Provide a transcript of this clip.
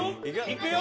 いくよ。